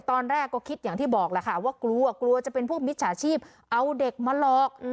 ตอนแรกก็คิดอย่างที่บอกแหละค่ะว่ากลัวกลัวจะเป็นพวกมิจฉาชีพเอาเด็กมาหลอก